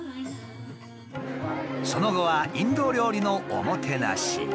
その後はインド料理のおもてなし。